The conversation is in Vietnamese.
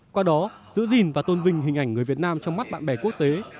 qua đó giữ gìn và tôn vinh hình ảnh người việt nam trong mắt bạn bè quốc tế